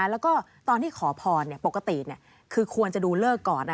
แล้วก็ตอนที่ขอพรปกติคือควรจะดูเลิกก่อน